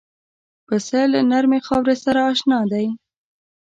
پسه له نرمې خاورې سره اشنا دی.